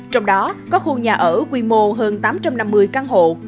trong đó có khu nhà ở quy mô hơn tám trăm năm mươi căn hộ